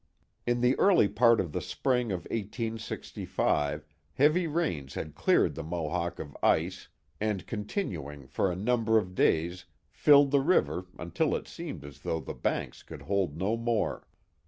In the early part of the spring of 1865 heavy rains had cleared the Mohawk of ice, and continuing for a number of days filled the river until it seemed as though the banks could hold no more.